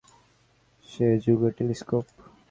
সে যুগের টেলিস্কোপ?